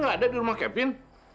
ada di rumah kevin